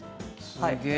すげえ。